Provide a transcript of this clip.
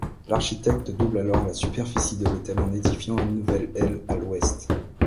L'architecte double alors la superficie de l'hôtel en édifiant une nouvelle aile à l'ouest.